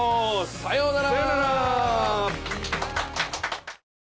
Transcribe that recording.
さようなら！